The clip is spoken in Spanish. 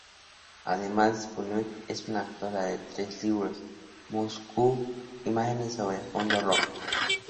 Además, Bonet es autora de tres libros: "Moscú", "Imágenes sobre fondo rojo.